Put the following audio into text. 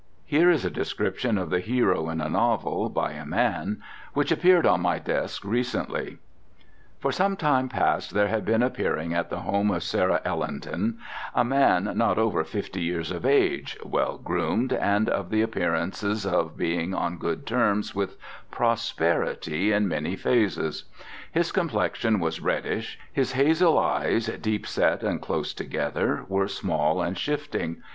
Here is a description of the hero in a novel by a man which appeared on my desk recently: For some time past there had been appearing at the home of Sarah Ellenton, a man not over fifty years of age, well groomed and of the appearances of being on good terms with prosperity in many phases. His complexion was reddish. His hazel eyes deepset and close together were small and shifting.